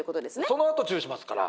そのあとチューしますから。